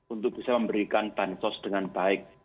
untuk bisa memberikan bansos dengan baik